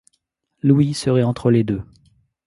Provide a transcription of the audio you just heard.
L'ouïe serait entre les deux.